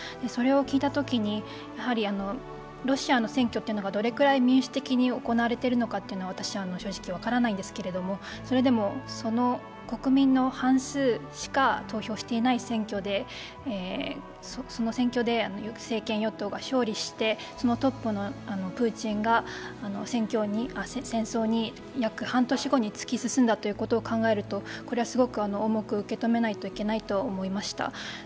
それを聞いたときに、ロシアの選挙というのがどれくらい民主的に行われているのか、私は正直分からないんですけれどもそれでも、国民の半数しか投票していない選挙で政権与党が勝利してトップのプーチンが戦争に約半年後に突き進んだということを考えると、これはすごく重く受け止めなければいけないと思いました。